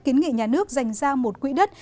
kiến nghị nhà nước dành ra một quỹ đất